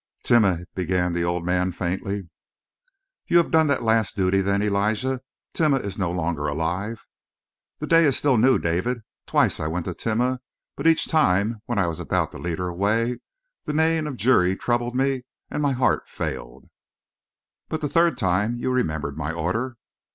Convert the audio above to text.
"Timeh " began the old man faintly. "You have done that last duty, then, Elijah? Timeh is no longer alive?" "The day is still new, David. Twice I went to Timeh, but each time when I was about to lead her away, the neighing of Juri troubled me and my heart failed." "But the third time you remembered my order?"